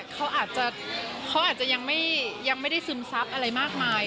เขาอาจจะยังไม่ได้ซึมซับอะไรมากมาย